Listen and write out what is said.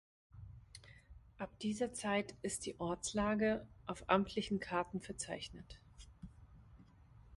Ab dieser Zeit ist die Ortslage auf amtlichen Karten verzeichnet.